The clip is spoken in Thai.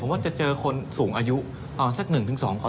ผมว่าจะเจอคนสูงอายุสักหนึ่งถึงสองคน